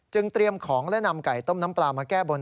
เตรียมของและนำไก่ต้มน้ำปลามาแก้บน